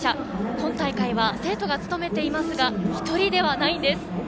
今大会は生徒が務めていますが１人ではないんです。